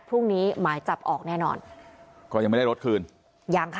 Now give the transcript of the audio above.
หมายจับออกแน่นอนก็ยังไม่ได้รถคืนยังค่ะ